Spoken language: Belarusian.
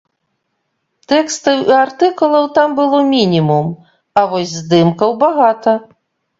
Тэкстаў і артыкулаў там было мінімум, а вось здымкаў багата.